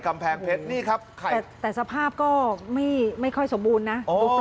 กำแพงเพชรนี่ครับแต่สภาพก็ไม่ค่อยสมบูรณ์นะ